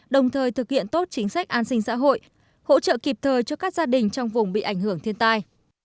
đồng thời thực hiện tốt chính sách an sinh xã hội hỗ trợ kịp thời cho các gia đình trong vùng bị ảnh hưởng thiên tai